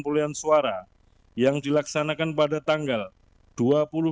pemilihan umum tahun dua ribu dua puluh empat di selanjang penyelidikan negolon yang pertama